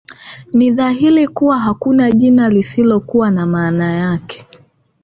Ni dhahiri kuwa hakuna jina lisilokuwa na maana yake